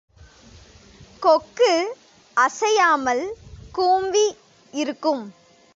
கொக்கு அசையாமல் கூம்பி இருக்கும்.